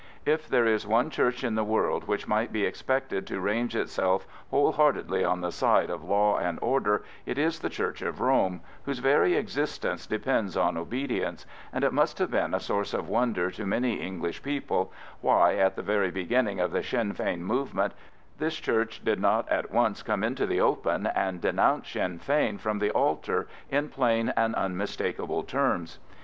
If there is one Church in the world which might be expected to range itself wholeheartedly on the side of law and order it is the Church of Rome, whose very existence depends on obedience, and it must have been a source of wonder to many English people why, at the very beginning of the Sinn Fein movement, this Church did not at once come into the open and denounce Sinn Fein from the altar in plain and unmistakable terms.